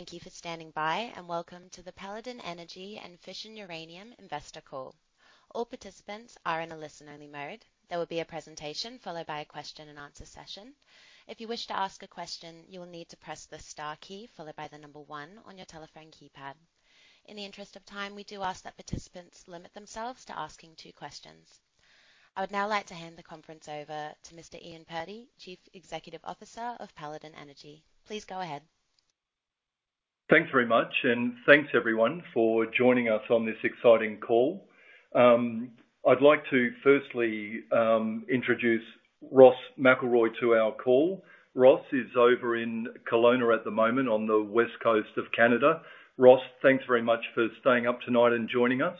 Thank you for standing by, and welcome to the Paladin Energy and Fission Uranium investor call. All participants are in a listen-only mode. There will be a presentation followed by a question and answer session. If you wish to ask a question, you will need to press the star key followed by the number one on your telephone keypad. In the interest of time, we do ask that participants limit themselves to asking two questions. I would now like to hand the conference over to Mr. Ian Purdy, Chief Executive Officer of Paladin Energy. Please go ahead. Thanks very much, and thanks everyone for joining us on this exciting call. I'd like to firstly, introduce Ross McElroy to our call. Ross is over in Kelowna at the moment on the west coast of Canada. Ross, thanks very much for staying up tonight and joining us.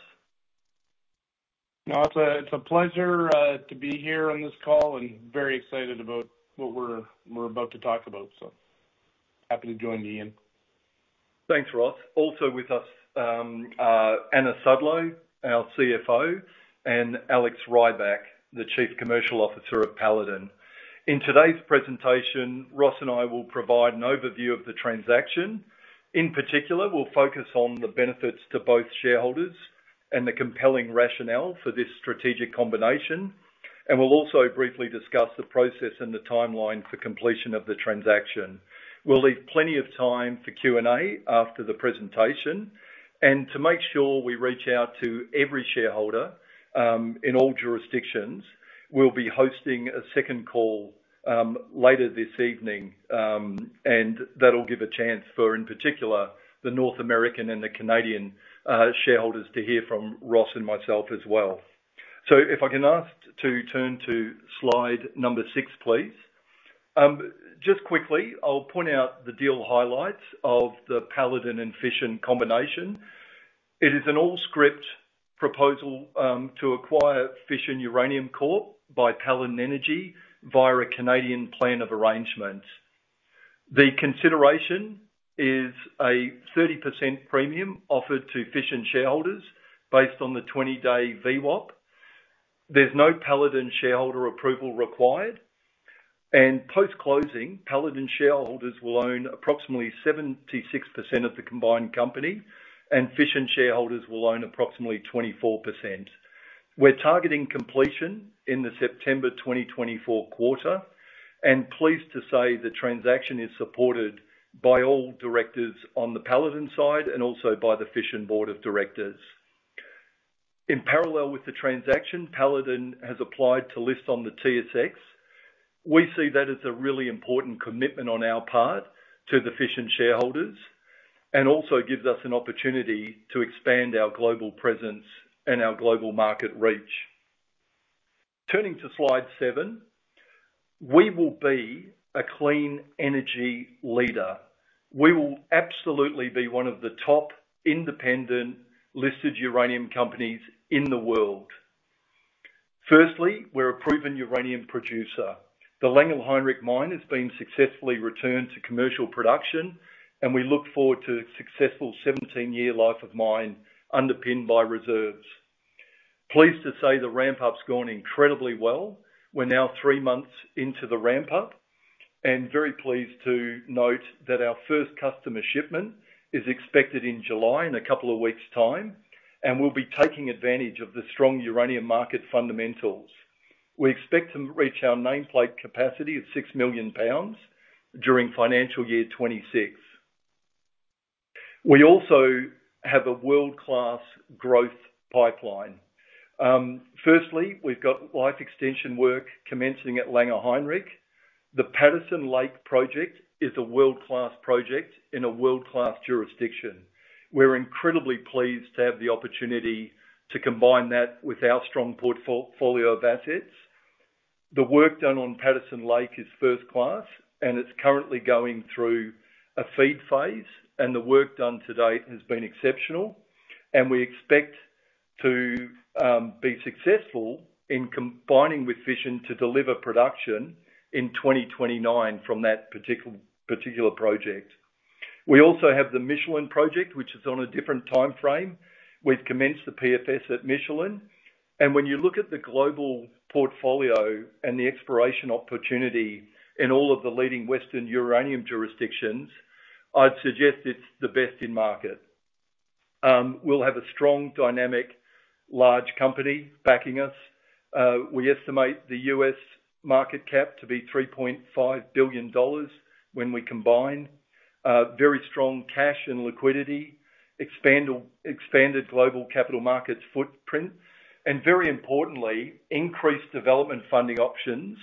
No, it's a pleasure to be here on this call, and very excited about what we're about to talk about, so happy to join you, Ian. Thanks, Ross. Also with us, Anna Sudlow, our CFO, and Alex Rybak, the Chief Commercial Officer of Paladin. In today's presentation, Ross and I will provide an overview of the transaction. In particular, we'll focus on the benefits to both shareholders and the compelling rationale for this strategic combination, and we'll also briefly discuss the process and the timeline for completion of the transaction. We'll leave plenty of time for Q&A after the presentation, and to make sure we reach out to every shareholder, in all jurisdictions, we'll be hosting a second call, later this evening. And that'll give a chance for, in particular, the North American and the Canadian shareholders to hear from Ross and myself as well. So if I can ask to turn to slide number six, please. Just quickly, I'll point out the deal highlights of the Paladin and Fission combination. It is an all-scrip proposal to acquire Fission Uranium Corp. by Paladin Energy via a Canadian plan of arrangement. The consideration is a 30% premium offered to Fission shareholders based on the 20-day VWAP. There's no Paladin shareholder approval required, and post-closing, Paladin shareholders will own approximately 76% of the combined company, and Fission shareholders will own approximately 24%. We're targeting completion in the September 2024 quarter, and pleased to say the transaction is supported by all directors on the Paladin side and also by the Fission board of directors. In parallel with the transaction, Paladin has applied to list on the TSX. We see that as a really important commitment on our part to the Fission shareholders, and also gives us an opportunity to expand our global presence and our global market reach. Turning to slide seven, we will be a clean energy leader. We will absolutely be one of the top independent listed uranium companies in the world. Firstly, we're a proven uranium producer. The Langer Heinrich Mine has been successfully returned to commercial production, and we look forward to a successful 17-year life of mine underpinned by reserves. Pleased to say the ramp-up's gone incredibly well. We're now three months into the ramp-up, and very pleased to note that our first customer shipment is expected in July, in a couple of weeks' time, and we'll be taking advantage of the strong uranium market fundamentals. We expect to reach our nameplate capacity of six million pounds during financial year 2026. We also have a world-class growth pipeline. Firstly, we've got life extension work commencing at Langer Heinrich. The Patterson Lake Project is a world-class project in a world-class jurisdiction. We're incredibly pleased to have the opportunity to combine that with our strong portfolio of assets. The work done on Patterson Lake is first class, and it's currently going through a FEED phase, and the work done to date has been exceptional. We expect to be successful in combining with Fission to deliver production in 2029 from that particular project. We also have the Michelin project, which is on a different timeframe. We've commenced the PFS at Michelin, and when you look at the global portfolio and the exploration opportunity in all of the leading western uranium jurisdictions, I'd suggest it's the best in market. We'll have a strong, dynamic, large company backing us. We estimate the U.S. market cap to be $3.5 billion when we combine. Very strong cash and liquidity, expanded global capital markets footprint, and very importantly, increased development funding options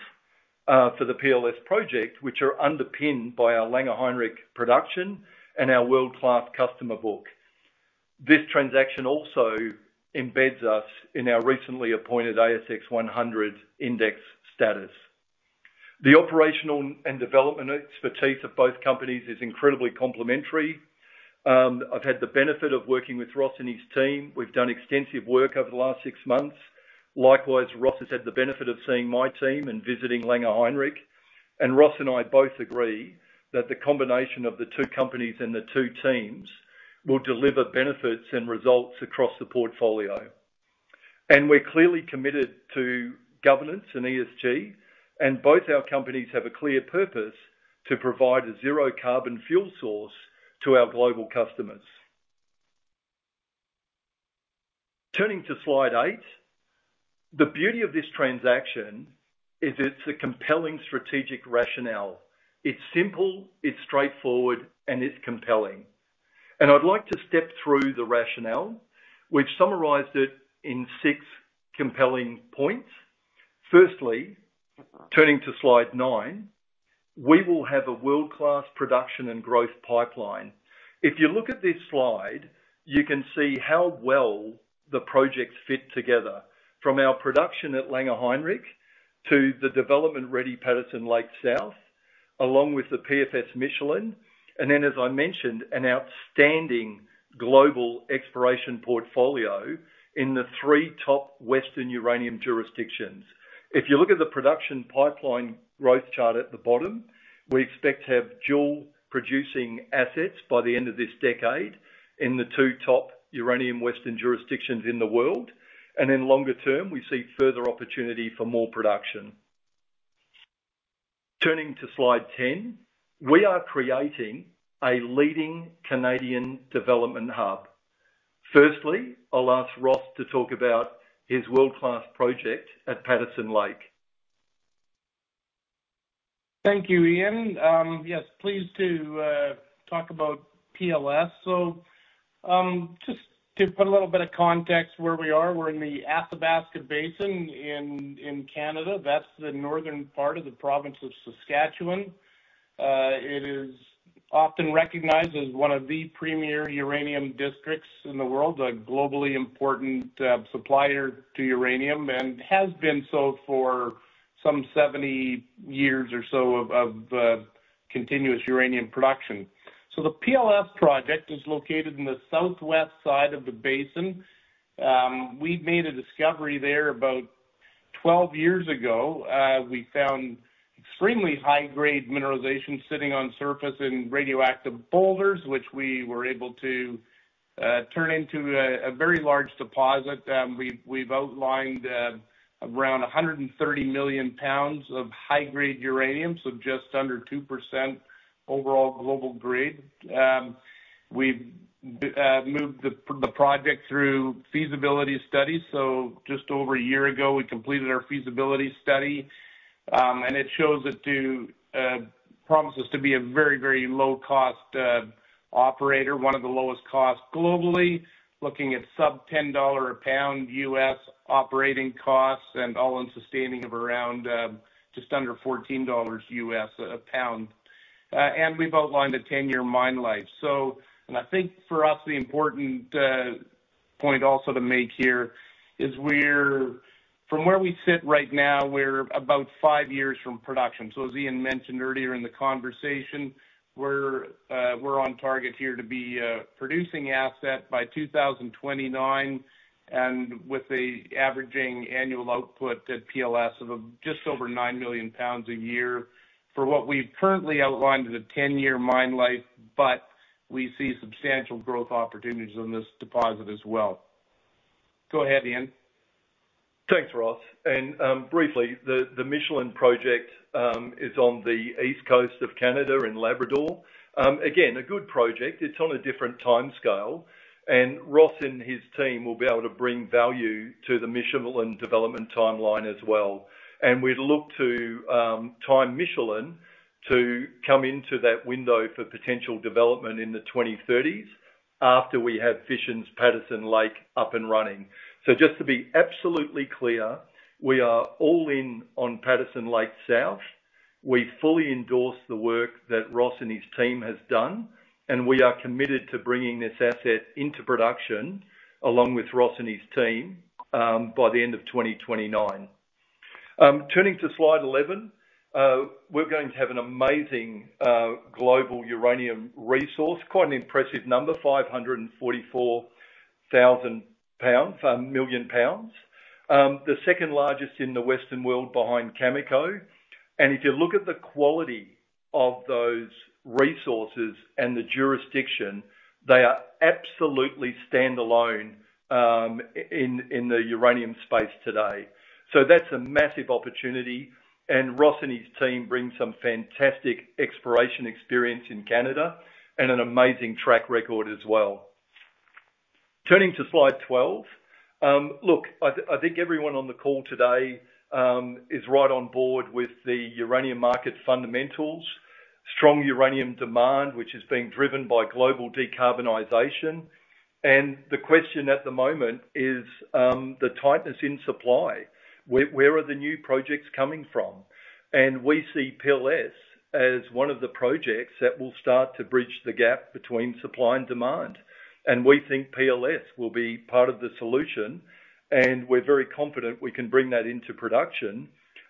for the PLS project, which are underpinned by our Langer Heinrich production and our world-class customer book. This transaction also embeds us in our recently appointed ASX 100 index status. The operational and development expertise of both companies is incredibly complementary. I've had the benefit of working with Ross and his team. We've done extensive work over the last six months. Likewise, Ross has had the benefit of seeing my team and visiting Langer Heinrich, and Ross and I both agree that the combination of the two companies and the two teams will deliver benefits and results across the portfolio. We're clearly committed to governance and ESG, and both our companies have a clear purpose to provide a zero carbon fuel source to our global customers. Turning to Slide eight, the beauty of this transaction is it's a compelling strategic rationale. It's simple, it's straightforward, and it's compelling. I'd like to step through the rationale. We've summarized it in 6 compelling points. Firstly, turning to Slide nine, we will have a world-class production and growth pipeline. If you look at this slide, you can see how well the projects fit together. From our production at Langer Heinrich to the development-ready Patterson Lake South, along with the PFS Michelin, and then, as I mentioned, an outstanding global exploration portfolio in the three top western uranium jurisdictions. If you look at the production pipeline growth chart at the bottom, we expect to have dual producing assets by the end of this decade in the two top uranium western jurisdictions in the world. In longer term, we see further opportunity for more production. Turning to Slide 10, we are creating a leading Canadian development hub. Firstly, I'll ask Ross to talk about his world-class project at Patterson Lake. Thank you, Ian. Yes, pleased to talk about PLS. So, just to put a little bit of context where we are, we're in the Athabasca Basin in Canada. That's the northern part of the province of Saskatchewan. It is often recognized as one of the premier uranium districts in the world, a globally important supplier to uranium, and has been so for some 70 years or so of continuous uranium production. So the PLS project is located in the southwest side of the basin. We made a discovery there about 12 years ago. We found extremely high-grade mineralization sitting on surface in radioactive boulders, which we were able to turn into a very large deposit. We've outlined around 130 million pounds of high-grade uranium, so just under 2% overall global grade. We've moved the project through feasibility studies. So just over a year ago, we completed our feasibility study, and it promises to be a very, very low-cost operator, one of the lowest costs globally, looking at sub-$10 a pound U.S. operating costs and all-in sustaining of around just under $14 a pound U.S.. And we've outlined a 10-year mine life. And I think for us, the important point also to make here is we're from where we sit right now, we're about 5 years from production. So as Ian mentioned earlier in the conversation, we're, we're on target here to be a producing asset by 2029, and with a averaging annual output at PLS of just over 9 million pounds a year for what we've currently outlined as a 10-year mine life, but we see substantial growth opportunities on this deposit as well. Go ahead, Ian. Thanks, Ross. And briefly, the Michelin project is on the east coast of Canada in Labrador. Again, a good project. It's on a different time scale, and Ross and his team will be able to bring value to the Michelin development timeline as well. And we'd look to time Michelin to come into that window for potential development in the 2030s after we have Fission's Patterson Lake up and running. So just to be absolutely clear, we are all in on Patterson Lake South. We fully endorse the work that Ross and his team has done, and we are committed to bringing this asset into production, along with Ross and his team, by the end of 2029. Turning to Slide 11, we're going to have an amazing global uranium resource. Quite an impressive number, 544 million pounds. The second largest in the Western world behind Cameco. And if you look at the quality of those resources and the jurisdiction, they are absolutely standalone in the uranium space today. So that's a massive opportunity, and Ross and his team bring some fantastic exploration experience in Canada and an amazing track record as well. Turning to Slide 12. Look, I think everyone on the call today is right on board with the uranium market fundamentals. Strong uranium demand, which is being driven by global decarbonization. And the question at the moment is the tightness in supply. Where are the new projects coming from? And we see PLS as one of the projects that will start to bridge the gap between supply and demand. We think PLS will be part of the solution, and we're very confident we can bring that into production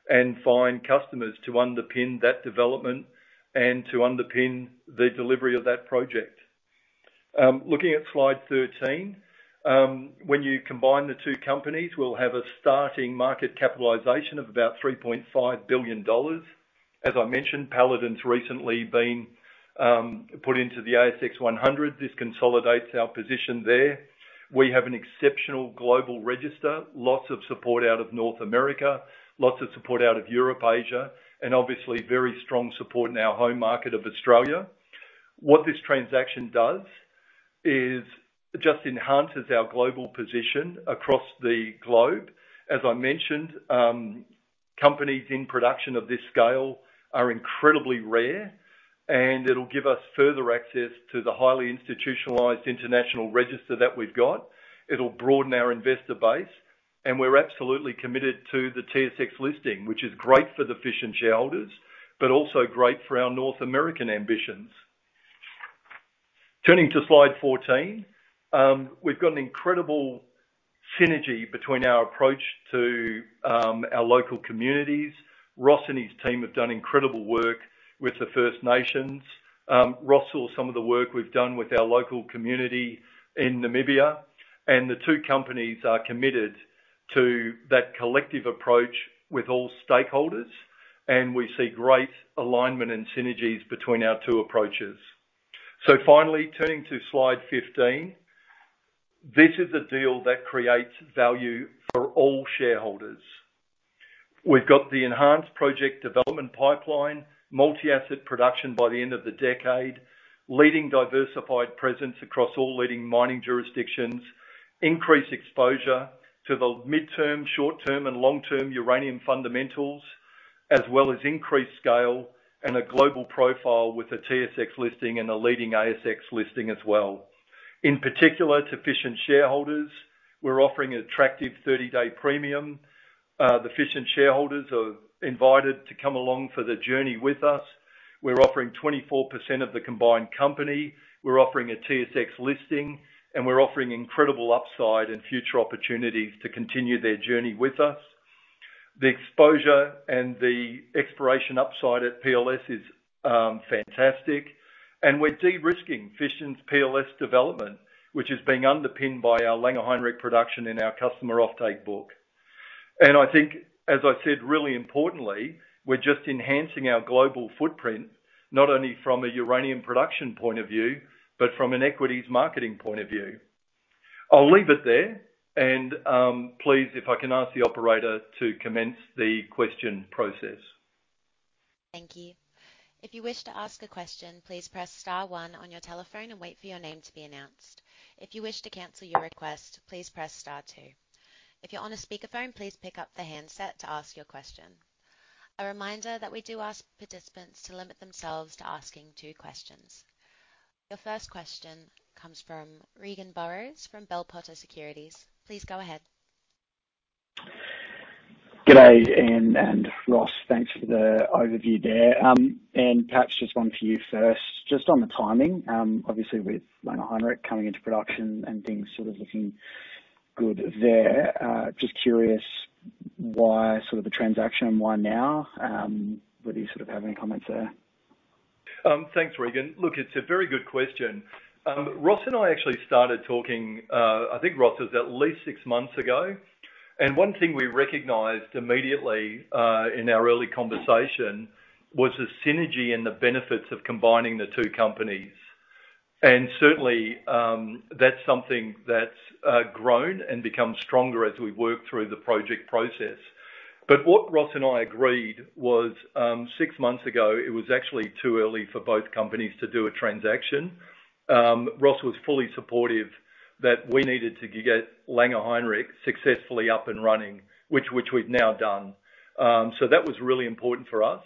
and find customers to underpin that development and to underpin the delivery of that project. Looking at Slide 13, when you combine the two companies, we'll have a starting market capitalization of about $3.5 billion. As I mentioned, Paladin's recently been put into the ASX 100. This consolidates our position there. We have an exceptional global register, lots of support out of North America, lots of support out of Europe, Asia, and obviously, very strong support in our home market of Australia. What this transaction does is it just enhances our global position across the globe. As I mentioned, companies in production of this scale are incredibly rare, and it'll give us further access to the highly institutionalized international register that we've got. It'll broaden our investor base, and we're absolutely committed to the TSX listing, which is great for the Fission shareholders, but also great for our North American ambitions. Turning to Slide 14, we've got an incredible synergy between our approach to our local communities. Ross and his team have done incredible work with the First Nations. Ross saw some of the work we've done with our local community in Namibia, and the two companies are committed to that collective approach with all stakeholders, and we see great alignment and synergies between our two approaches. Finally, turning to Slide 15, this is a deal that creates value for all shareholders. We've got the enhanced project development pipeline, multi-asset production by the end of the decade, leading diversified presence across all leading mining jurisdictions, increased exposure to the midterm, short-term, and long-term uranium fundamentals, as well as increased scale and a global profile with a TSX listing and a leading ASX listing as well. In particular, to Fission shareholders, we're offering an attractive 30-day premium. The Fission shareholders are invited to come along for the journey with us. We're offering 24% of the combined company. We're offering a TSX listing, and we're offering incredible upside and future opportunities to continue their journey with us. The exposure and the exploration upside at PLS is fantastic, and we're de-risking Fission's PLS development, which is being underpinned by our Langer Heinrich production and our customer offtake book. I think, as I said, really importantly, we're just enhancing our global footprint, not only from a uranium production point of view, but from an equities marketing point of view. I'll leave it there, and please, if I can ask the operator to commence the question process. Thank you. If you wish to ask a question, please press star one on your telephone and wait for your name to be announced. If you wish to cancel your request, please press star two. If you're on a speakerphone, please pick up the handset to ask your question. A reminder that we do ask participants to limit themselves to asking two questions. Your first question comes from Regan Burrows from Bell Potter Securities. Please go ahead. Good day, Ian and Ross. Thanks for the overview there. Ian, perhaps just one for you first. Just on the timing, obviously, with Langer Heinrich coming into production and things sort of looking good there, just curious, why sort of the transaction and why now? Whether you sort of have any comments there. Thanks, Regan. Look, it's a very good question. Ross and I actually started talking, I think, Ross, it was at least six months ago. And one thing we recognized immediately, in our early conversation was the synergy and the benefits of combining the two companies. And certainly, that's something that's grown and become stronger as we've worked through the project process. But what Ross and I agreed was, six months ago, it was actually too early for both companies to do a transaction. Ross was fully supportive that we needed to get Langer Heinrich successfully up and running, which we've now done. So that was really important for us,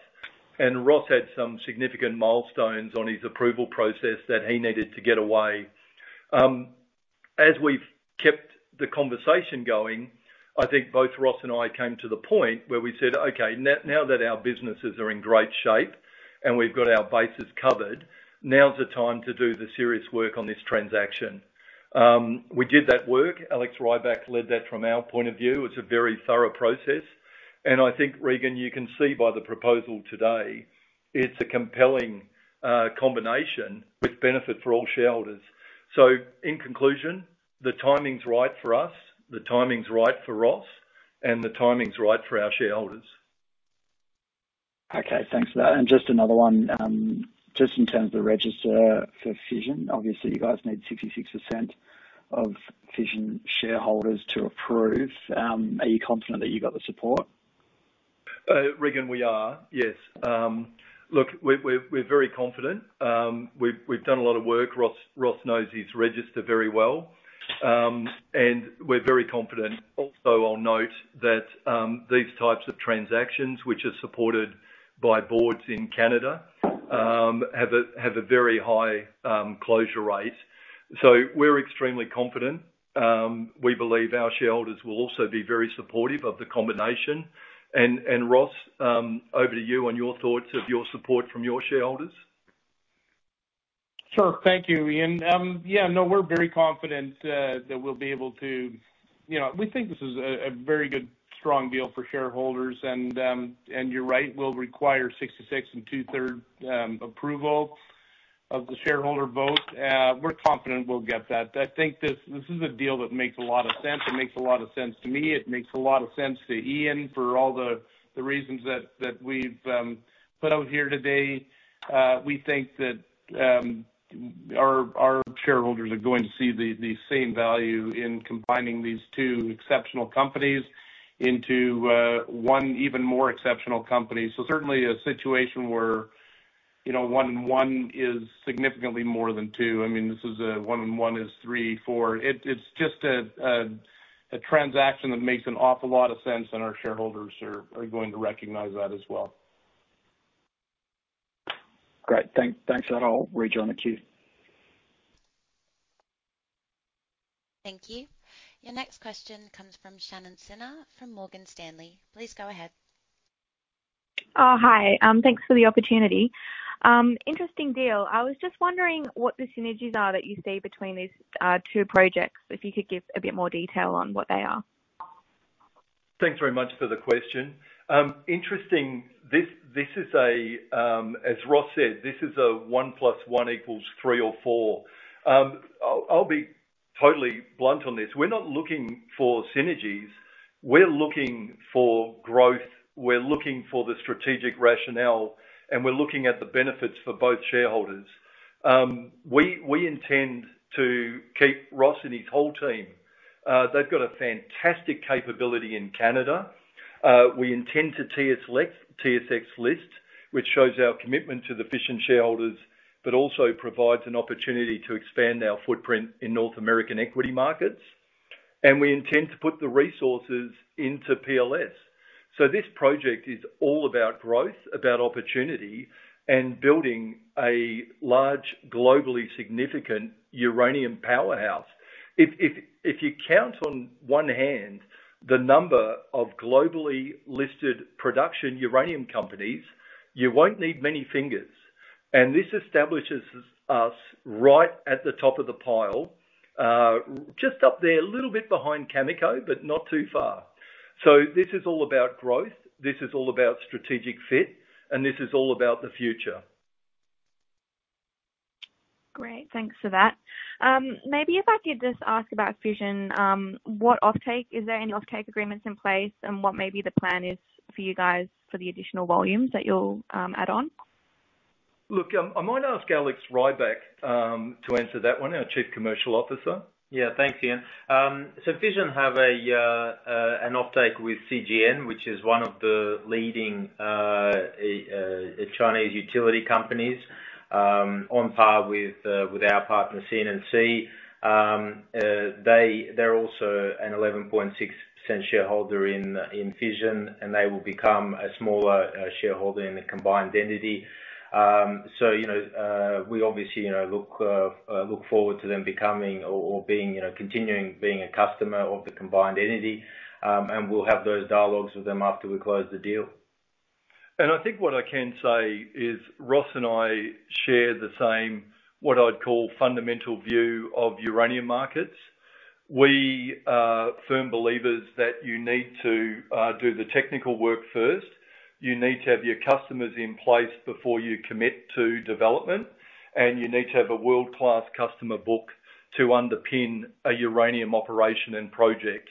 and Ross had some significant milestones on his approval process that he needed to get away. As we've kept the conversation going, I think both Ross and I came to the point where we said, "Okay, now that our businesses are in great shape and we've got our bases covered, now's the time to do the serious work on this transaction." We did that work. Alex Rybak led that from our point of view. It's a very thorough process, and I think, Regan, you can see by the proposal today, it's a compelling combination with benefit for all shareholders. So in conclusion, the timing's right for us, the timing's right for Ross, and the timing's right for our shareholders. Okay, thanks for that. Just another one, just in terms of the register for Fission, obviously, you guys need 66% of Fission shareholders to approve. Are you confident that you've got the support? Regan, we are. Look, we're very confident. We've done a lot of work. Ross knows his register very well, and we're very confident. Also, I'll note that these types of transactions, which are supported by boards in Canada, have a very high closure rate. So we're extremely confident. We believe our shareholders will also be very supportive of the combination. And Ross, over to you on your thoughts of your support from your shareholders. Sure. Thank you, Ian. Yeah, no, we're very confident that we'll be able to. You know, we think this is a very good, strong deal for shareholders, and you're right, we'll require 66 2/3 approval of the shareholder vote. We're confident we'll get that. I think this is a deal that makes a lot of sense. It makes a lot of sense to me. It makes a lot of sense to Ian, for all the reasons that we've put out here today. We think that our shareholders are going to see the same value in combining these two exceptional companies into one even more exceptional company. So certainly a situation where, you know, one and one is significantly more than two. I mean, this is a one and one is three, four. It's just a transaction that makes an awful lot of sense, and our shareholders are going to recognize that as well. Great. Thanks, that's all. Rejoin the queue. Thank you. Your next question comes from Shannon Sinha from Morgan Stanley. Please go ahead. Oh, hi. Thanks for the opportunity. Interesting deal. I was just wondering what the synergies are that you see between these two projects, if you could give a bit more detail on what they are? Thanks very much for the question. Interesting, this is a. As Ross said, this is a one plus one equals three or four. I'll be totally blunt on this. We're not looking for synergies. We're looking for growth, we're looking for the strategic rationale, and we're looking at the benefits for both shareholders. We intend to keep Ross and his whole team. They've got a fantastic capability in Canada. We intend to TSX list, which shows our commitment to the Fission shareholders, but also provides an opportunity to expand our footprint in North American equity markets. And we intend to put the resources into PLS. So this project is all about growth, about opportunity, and building a large, globally significant uranium powerhouse. If, if, if you count on one hand the number of globally listed production uranium companies, you won't need many fingers, and this establishes us right at the top of the pile. Just up there, a little bit behind Cameco, but not too far. So this is all about growth, this is all about strategic fit, and this is all about the future. Great. Thanks for that. Maybe if I could just ask about Fission, what offtake- are there any offtake agreements in place, and what may be the plan is for you guys for the additional volumes that you'll add on? Look, I might ask Alex Rybak to answer that one, our Chief Commercial Officer. Yeah. Thanks, Ian. So Fission have an offtake with CGN, which is one of the leading Chinese utility companies, on par with our partner, CNNC. They're also an 11.6% shareholder in Fission, and they will become a smaller shareholder in the combined entity. So, you know, we obviously, you know, look forward to them becoming or being, you know, continuing being a customer of the combined entity, and we'll have those dialogues with them after we close the deal. And I think what I can say is Ross and I share the same, what I'd call, fundamental view of uranium markets. We are firm believers that you need to do the technical work first. You need to have your customers in place before you commit to development, and you need to have a world-class customer book to underpin a uranium operation and project,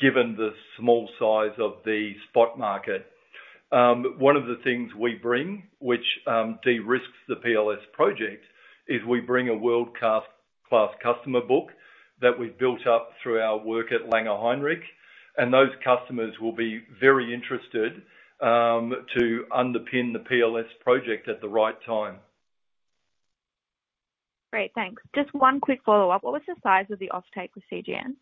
given the small size of the spot market. One of the things we bring, which de-risks the PLS project, is we bring a world-class customer book that we've built up through our work at Langer Heinrich, and those customers will be very interested to underpin the PLS project at the right time. Great, thanks. Just one quick follow-up. What was the size of the offtake with CGN?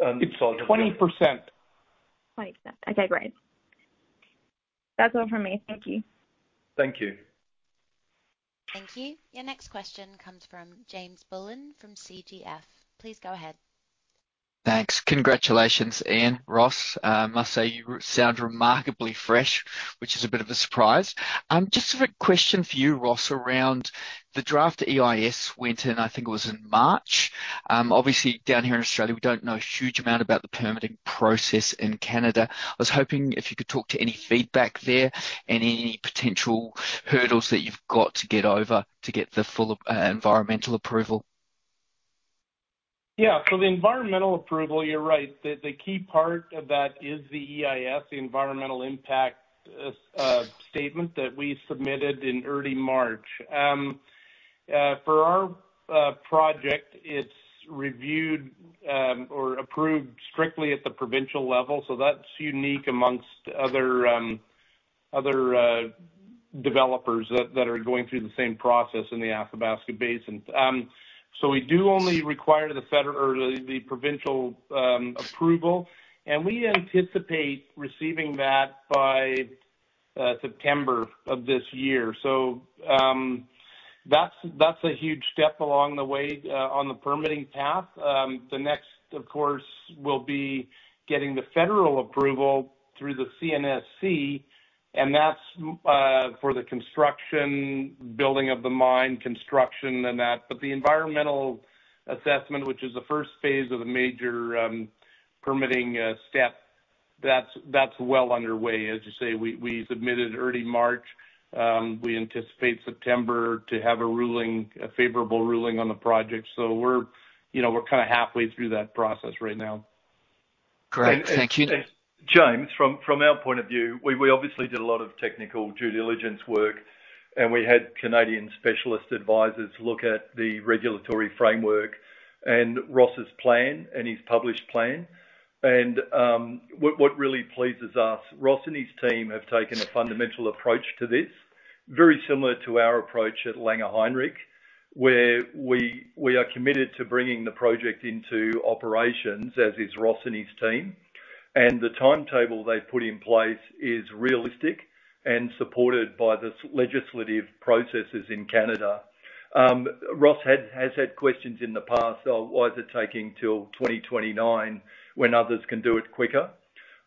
It's 20%. 20%. Okay, great. That's all from me. Thank you. Thank you. Thank you. Your next question comes from James Bullen from Canaccord Genuity. Please go ahead. Thanks. Congratulations, Ian, Ross. I must say you sound remarkably fresh, which is a bit of a surprise. Just a quick question for you, Ross, around the draft EIS went in, I think it was in March. Obviously, down here in Australia, we don't know a huge amount about the permitting process in Canada. I was hoping if you could talk to any feedback there, and any potential hurdles that you've got to get over to get the full environmental approval. Yeah. So the environmental approval, you're right. The key part of that is the EIS, the environmental impact statement that we submitted in early March. For our project, it's reviewed or approved strictly at the provincial level, so that's unique amongst other developers that are going through the same process in the Athabasca Basin. So we do only require the federal or the provincial approval, and we anticipate receiving that by September of this year. So, that's, that's a huge step along the way, on the permitting path. The next, of course, will be getting the federal approval through the CNSC, and that's, for the construction, building of the mine, construction and that. But the environmental assessment, which is the first phase of the major permitting step. That's, that's well underway. As you say, we submitted early March. We anticipate September to have a ruling, a favorable ruling on the project. So we're, you know, we're kind of halfway through that process right now. Great. Thank you. And, James, from our point of view, we obviously did a lot of technical due diligence work, and we had Canadian specialist advisors look at the regulatory framework and Ross's plan, and his published plan. And, what really pleases us, Ross and his team have taken a fundamental approach to this, very similar to our approach at Langer Heinrich, where we are committed to bringing the project into operations, as is Ross and his team. And the timetable they've put in place is realistic and supported by the legislative processes in Canada. Ross has had questions in the past of, Why is it taking till 2029 when others can do it quicker?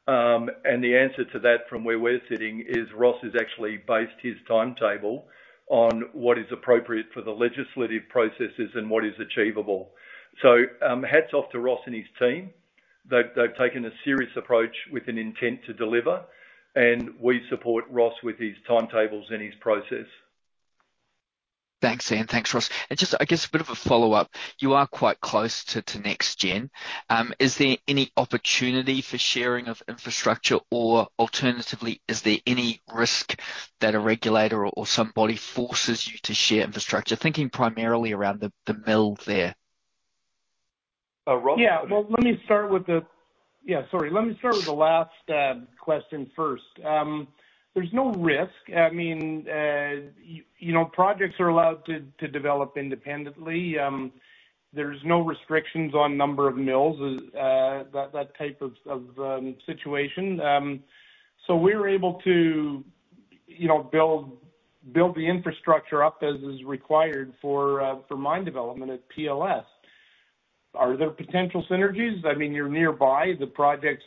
And the answer to that, from where we're sitting, is Ross has actually based his timetable on what is appropriate for the legislative processes and what is achievable. So, hats off to Ross and his team. They've taken a serious approach with an intent to deliver, and we support Ross with his timetables and his process. Thanks, Ian. Thanks, Ross. And just, I guess, a bit of a follow-up: You are quite close to NexGen. Is there any opportunity for sharing of infrastructure, or alternatively, is there any risk that a regulator or somebody forces you to share infrastructure? Thinking primarily around the mill there. Ross? Yeah. Well, let me start with the. Yeah, sorry. Let me start with the last question first. There's no risk. I mean, you know, projects are allowed to develop independently. There's no restrictions on number of mills, that type of situation. So we're able to, you know, build the infrastructure up as is required for mine development at PLS. Are there potential synergies? I mean, you're nearby. The projects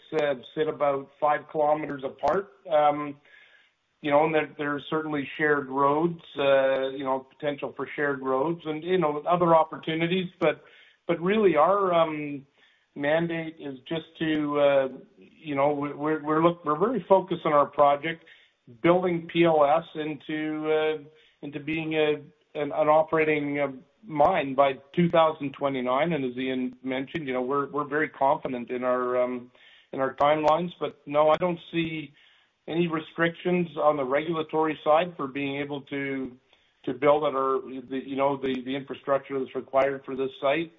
sit about five kilometers apart. You know, and there are certainly shared roads, you know, potential for shared roads and, you know, other opportunities. But really, our mandate is just to, you know, we're very focused on our project, building PLS into being an operating mine by 2029. And as Iain mentioned, you know, we're very confident in our timelines. But no, I don't see any restrictions on the regulatory side for being able to build at our you know the infrastructure that's required for this site.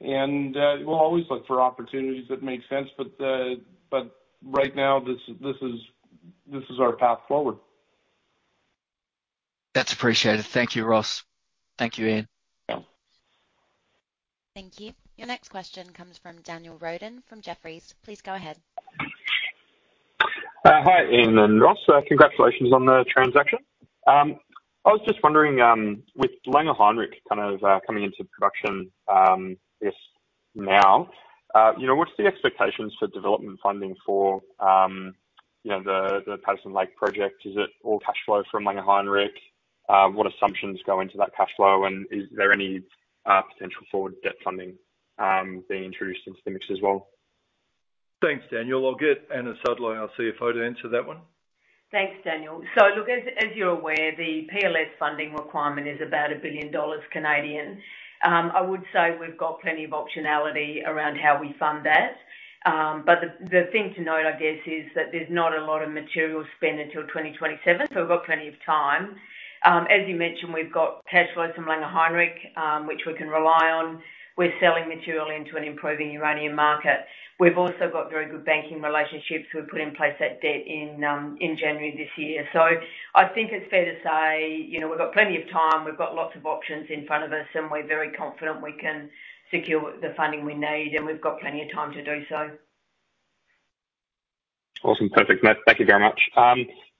And we'll always look for opportunities that make sense, but right now, this is our path forward. That's appreciated. Thank you, Ross. Thank you, Ian. Thank you. Your next question comes from Daniel Roden, from Jefferies. Please go ahead. Hi, Ian and Ross. Congratulations on the transaction. I was just wondering, with Langer Heinrich kind of coming into production, I guess now, you know, what's the expectations for development funding for, you know, the, the Patterson Lake project? Is it all cash flow from Langer Heinrich? What assumptions go into that cash flow, and is there any potential for debt funding being introduced into the mix as well? Thanks, Daniel. I'll get Anna Sudlow, our CFO, to answer that one. Thanks, Daniel. So look, as you're aware, the PLS funding requirement is about 1 billion dollars. I would say we've got plenty of optionality around how we fund that. But the thing to note, I guess, is that there's not a lot of material spent until 2027, so we've got plenty of time. As you mentioned, we've got cash flows from Langer Heinrich, which we can rely on. We're selling material into an improving uranium market. We've also got very good banking relationships. We've put in place that debt in January this year. So I think it's fair to say, you know, we've got plenty of time, we've got lots of options in front of us, and we're very confident we can secure the funding we need, and we've got plenty of time to do so. Awesome. Perfect. Thank you very much.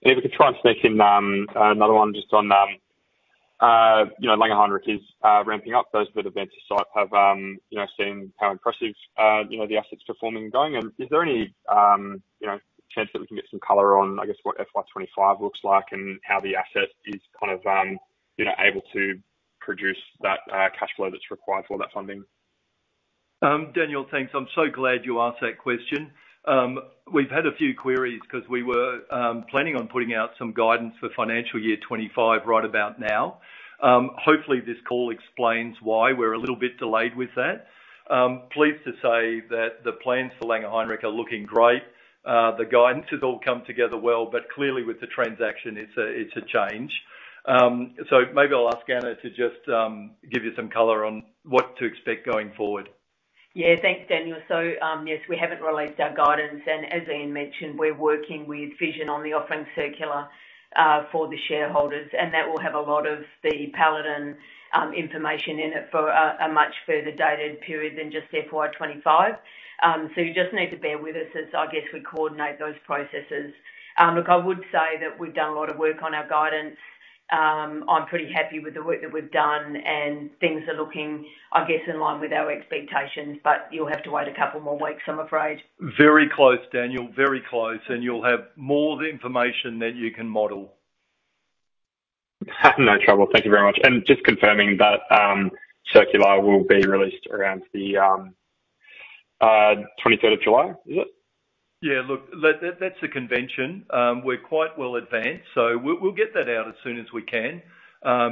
If we could try and sneak in another one just on, you know, Langer Heinrich is ramping up. Those who have been to site have, you know, seen how impressive, you know, the asset's performing going. And is there any, you know, chance that we can get some color on, I guess, what FY 25 looks like and how the asset is kind of, you know, able to produce that cashflow that's required for all that funding? Daniel, thanks. I'm so glad you asked that question. We've had a few queries 'cause we were planning on putting out some guidance for financial year 2025, right about now. Hopefully, this call explains why we're a little bit delayed with that. Pleased to say that the plans for Langer Heinrich are looking great. The guidance has all come together well, but clearly with the transaction, it's a, it's a change. So maybe I'll ask Anna to just give you some color on what to expect going forward. Yeah. Thanks, Daniel. So, yes, we haven't released our guidance, and as Ian mentioned, we're working with Fission on the offering circular for the shareholders, and that will have a lot of the Paladin information in it for a, a much further dated period than just FY 25. So you just need to bear with us as, I guess, we coordinate those processes. Look, I would say that we've done a lot of work on our guidance. I'm pretty happy with the work that we've done, and things are looking, I guess, in line with our expectations, but you'll have to wait a couple more weeks, I'm afraid. Very close, Daniel. Very close, and you'll have more information than you can model. No trouble. Thank you very much. And just confirming that circular will be released around the twenty-third of July, is it? Yeah, look, that's the convention. We're quite well advanced, so we'll get that out as soon as we can,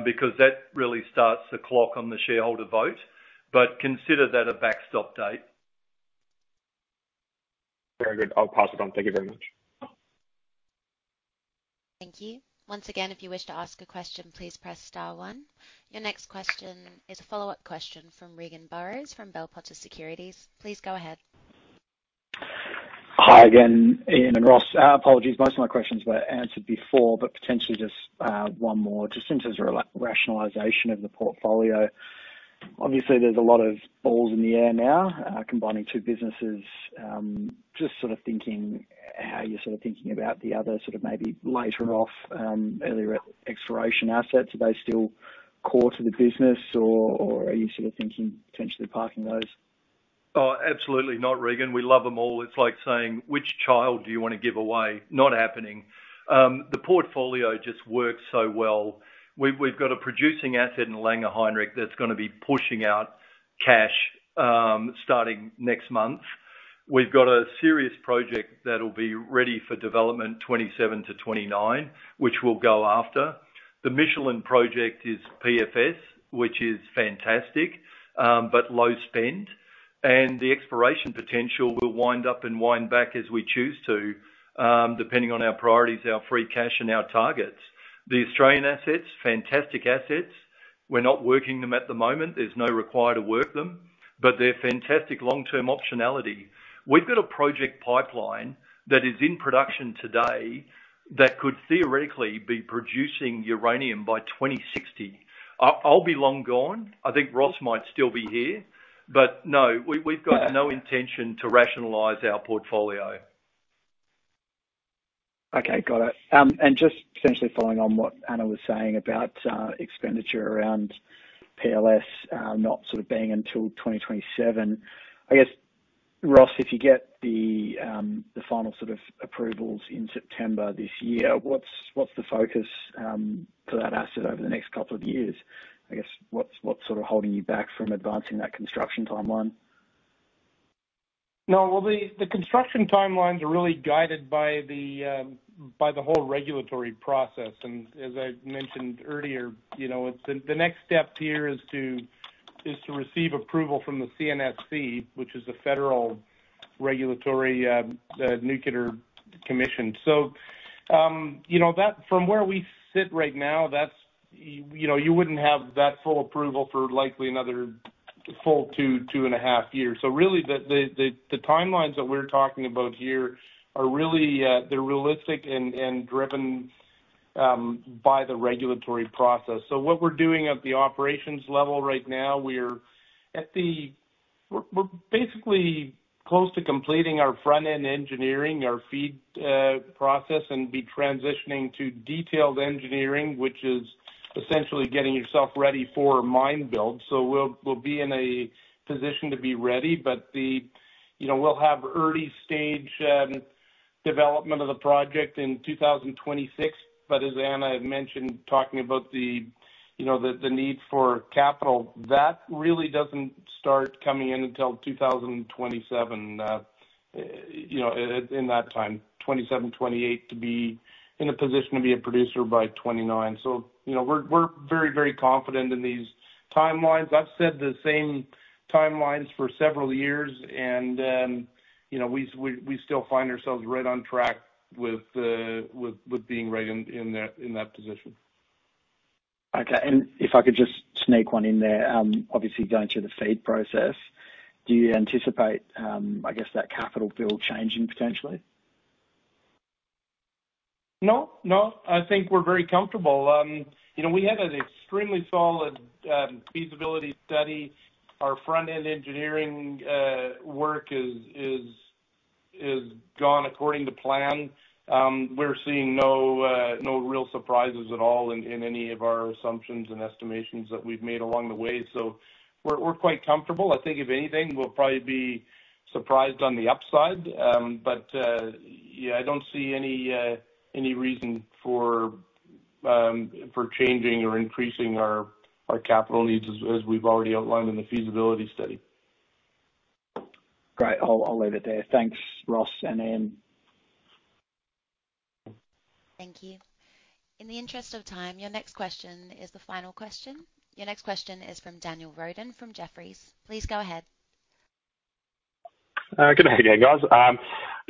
because that really starts the clock on the shareholder vote. But consider that a backstop date. Very good. I'll pass it on. Thank you very much. Thank you. Once again, if you wish to ask a question, please press star one. Your next question is a follow-up question from Regan Burrows from Bell Potter Securities. Please go ahead. Hi again, Ian and Ross. Apologies, most of my questions were answered before, but potentially just one more. Just since there's a rationalization of the portfolio, obviously there's a lot of balls in the air now, combining two businesses. Just sort of thinking how you're sort of thinking about the other, sort of maybe later off, earlier exploration assets. Are they still core to the business, or are you sort of thinking potentially parking those? Oh, absolutely not, Regan. We love them all. It's like saying, "Which child do you want to give away?" Not happening. The portfolio just works so well. We've got a producing asset in Langer Heinrich that's gonna be pushing out cash, starting next month. We've got a serious project that'll be ready for development 27-29, which we'll go after. The Michelin Project is PFS, which is fantastic, but low spend. The exploration potential will wind up and wind back as we choose to, depending on our priorities, our free cash, and our targets. The Australian assets, fantastic assets. We're not working them at the moment. There's no require to work them, but they're fantastic long-term optionality. We've got a project pipeline that is in production today that could theoretically be producing uranium by 2060. I'll be long gone. I think Ross might still be here, but no, we've got no intention to rationalize our portfolio. Okay, got it. And just essentially following on what Anna was saying about expenditure around PLS not sort of being until 2027. I guess, Ross, if you get the final sort of approvals in September this year, what's the focus for that asset over the next couple of years? I guess, what's sort of holding you back from advancing that construction timeline? No, well, the construction timelines are really guided by the whole regulatory process, and as I've mentioned earlier, you know, it's. The next step here is to receive approval from the CNSC, which is the federal regulatory nuclear commission. So, you know that from where we sit right now, that's, you know, you wouldn't have that full approval for likely another full 2-2.5 years. So really, the timelines that we're talking about here are really, they're realistic and driven by the regulatory process. So what we're doing at the operations level right now, we're basically close to completing our front-end engineering, our feed process, and be transitioning to detailed engineering, which is essentially getting yourself ready for mine build. So we'll be in a position to be ready, but, you know, we'll have early stage development of the project in 2026. But as Anna had mentioned, talking about the, you know, the need for capital, that really doesn't start coming in until 2027, you know, in that time, 2027, 2028, to be in a position to be a producer by 2029. So, you know, we're, we're very, very confident in these timelines. I've said the same timelines for several years, and, you know, we still find ourselves right on track with, with being right in, in that position. Okay. And if I could just sneak one in there, obviously going through the FEED process, do you anticipate, I guess that capital build changing potentially? No, no. I think we're very comfortable. You know, we have an extremely solid feasibility study. Our front-end engineering work is gone according to plan. We're seeing no real surprises at all in any of our assumptions and estimations that we've made along the way. So we're quite comfortable. I think, if anything, we'll probably be surprised on the upside. But I don't see any reason for changing or increasing our capital needs, as we've already outlined in the feasibility study. Great. I'll leave it there. Thanks, Ross and Ian. Thank you. In the interest of time, your next question is the final question. Your next question is from Daniel Roden from Jefferies. Please go ahead. Good afternoon, guys.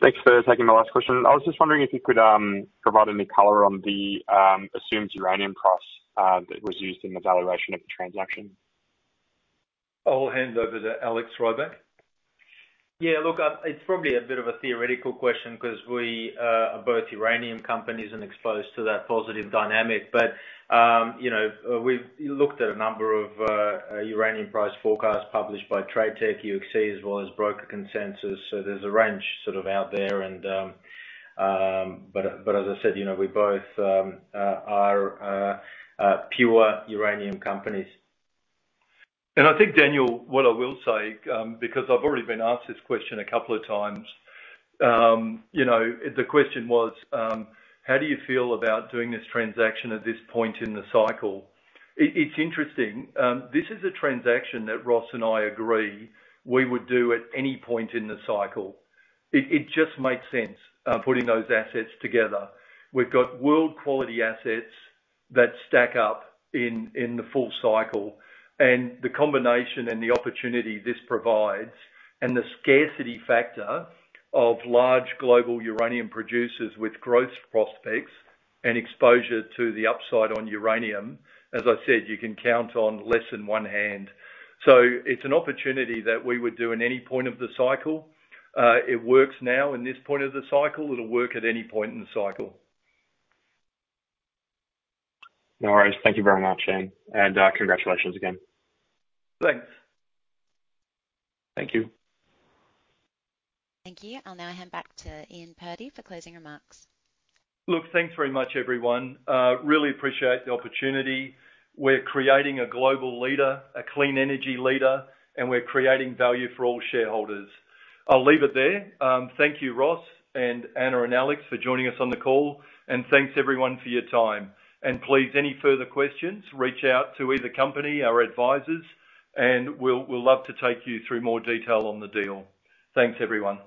Thanks for taking my last question. I was just wondering if you could provide any color on the assumed uranium price that was used in the valuation of the transaction. I'll hand over to Alex Rybak. Yeah, look, it's probably a bit of a theoretical question because we are both uranium companies and exposed to that positive dynamic. But, you know, we've looked at a number of uranium price forecasts published by TradeTech, UxC, as well as broker consensus. So there's a range sort of out there and... But, as I said, you know, we both are pure uranium companies. I think, Daniel, what I will say, because I've already been asked this question a couple of times, you know, the question was: How do you feel about doing this transaction at this point in the cycle? It, it's interesting. This is a transaction that Ross and I agree we would do at any point in the cycle. It, it just makes sense, putting those assets together. We've got world-quality assets that stack up in, in the full cycle, and the combination and the opportunity this provides, and the scarcity factor of large global uranium producers with growth prospects and exposure to the upside on uranium, as I said, you can count on less than one hand. So it's an opportunity that we would do in any point of the cycle. It works now in this point of the cycle. It'll work at any point in the cycle. No worries. Thank you very much, Ian, and, congratulations again. Thanks. Thank you. Thank you. I'll now hand back to Ian Purdy for closing remarks. Look, thanks very much, everyone. Really appreciate the opportunity. We're creating a global leader, a clean energy leader, and we're creating value for all shareholders. I'll leave it there. Thank you, Ross and Anna and Alex, for joining us on the call. Thanks, everyone, for your time. Please, any further questions, reach out to either company, our advisors, and we'll, we'll love to take you through more detail on the deal. Thanks, everyone.